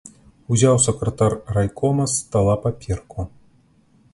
Узяў сакратар райкома з стала паперку.